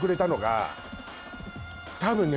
多分ね。